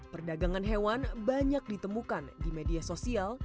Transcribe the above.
perdagangan hewan banyak ditemukan di media sosial